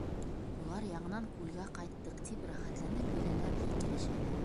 Улар, яңынан күлгә ҡайттыҡ, тип рәхәтләнеп йөҙәләр, һикерешәләр.